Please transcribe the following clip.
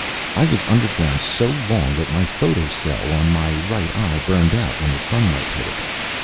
I was underground so long that the photocell on my right eye burned out when the sunlight hit it."